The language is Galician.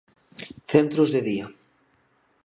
Centros de día.